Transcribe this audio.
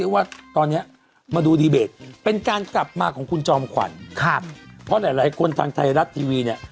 ว่าตอนเนี้ยมาดูดีเบตเป็นการกลับมาของคุณจอมขวัญครับเพราะหลายหลายคนทางไทยรัฐทีวีเนี่ย